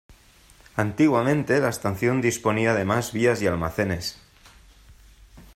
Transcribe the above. Antiguamente la estación disponía de más vías y almacenes.